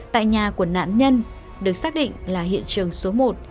tại nhà của nạn nhân được xác định là hiện trường số một